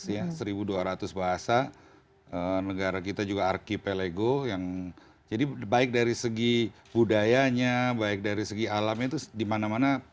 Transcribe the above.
ya seribu dua ratus bahasa negara kita juga archipelego yang jadi baik dari segi budayanya baik dari segi alamnya itu dimana mana